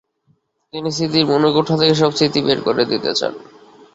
তিনি স্মৃতির মণিকোঠা থেকে সব স্মৃতি বের করে দিতে চান।